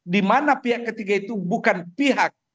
dimana pihak ketiga itu bukan pihak